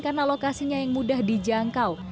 karena lokasinya yang mudah dijangkau